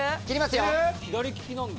左利きなんだ。